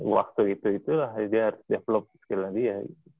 waktu itu itulah dia harus develop skill nya dia